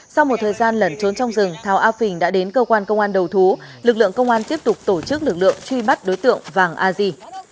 sau một thời gian lẩn trốn trong rừng thảo a phình đã đến cơ quan công an đầu thú lực lượng công an tiếp tục tổ chức lực lượng truy bắt đối tượng vàng a di